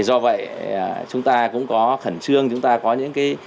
do vậy chúng ta cũng có khẩn trương chúng ta có những cái